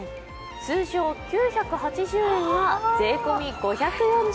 通常９８０円が税込み５４０円。